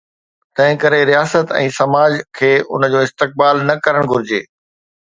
تنهنڪري رياست ۽ سماج کي ان جو استقبال نه ڪرڻ گهرجي.